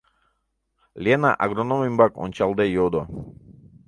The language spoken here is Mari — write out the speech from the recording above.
— Лена агроном ӱмбак ончалде йодо.